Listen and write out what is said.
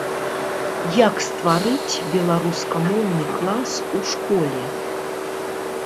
Як стварыць беларускамоўны клас у школе.